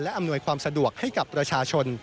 อำนวยความสะดวกให้กับประชาชน